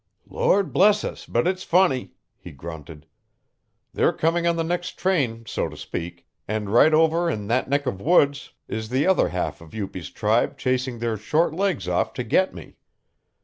"Lord bless us, but it's funny," he grunted. "They're coming on the next train, so to speak, and right over in that neck of woods is the other half of Upi's tribe chasing their short legs off to get me.